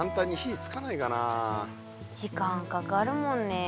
時間かかるもんねえ。